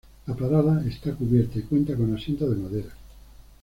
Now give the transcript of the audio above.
La parada está cubierta y cuenta con asientos de madera.